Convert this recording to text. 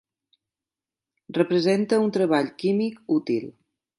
Representa el treball químic útil.